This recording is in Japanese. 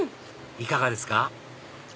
いかがですか？